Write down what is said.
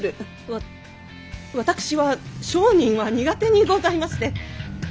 わ私は商人は苦手にございまして！